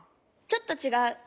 ちょっとちがう。